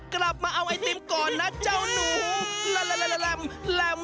กลับมาเอาไอติมก่อนนะเจ้านุ่ม